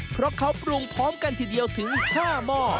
เพราะเขาปรุงพร้อมกันทีเดียวถึง๕หม้อ